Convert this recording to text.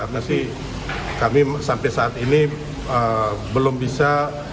karena sih kami sampai saat ini belum bisa